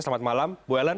selamat malam ibu ellen